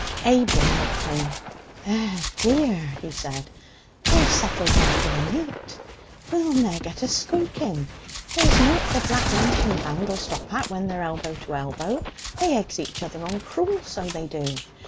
Abel looked in. 'Eh, dear,' he said, 'they're settled there for the neet. We'll ne'er get a squeak in. There's nought for Black Mountain Band'll stop at when they're elbow to elbow; they eggs each other on cruel, so they do!